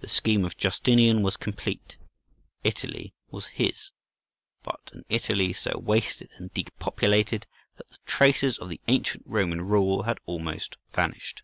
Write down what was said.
The scheme of Justinian was complete. Italy was his; but an Italy so wasted and depopulated, that the traces of the ancient Roman rule had almost vanished.